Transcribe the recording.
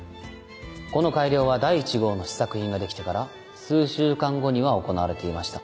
この改良は第１号の試作品ができてから数週間後には行われていました。